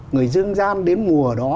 người dương gian đến mùa đó